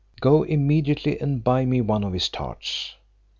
Go immediately and buy me one of his tarts."